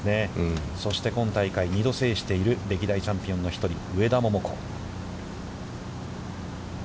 そして今大会、２度制している歴代チャンピオンの１人、上田桃子。